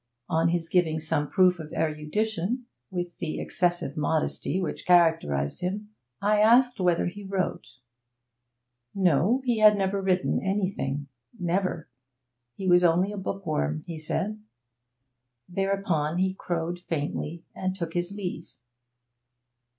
On his giving some proof of erudition (with the excessive modesty which characterised him), I asked whether he wrote. No, he had never written anything never; he was only a bookworm, he said. Thereupon he crowed faintly and took his leave.